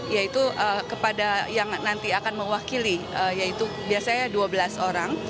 yaitu kepada yang nanti akan mewakili yaitu biasanya dua belas orang